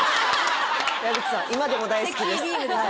今でも大好きです